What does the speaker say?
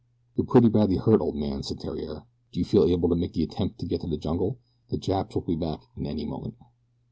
"You're pretty badly hurt, old man," said Theriere. "Do you feel able to make the attempt to get to the jungle? The Japs will be back in a moment."